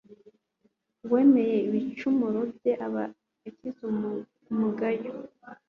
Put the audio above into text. uwemeye ibicumuro bye aba akize umugayo